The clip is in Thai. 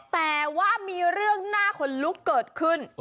แต่ว่ามีเรื่องน่าขนลุกเกิดขึ้น